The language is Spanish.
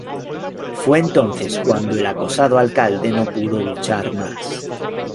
Fue entonces cuando el acosado alcalde no pudo luchar más.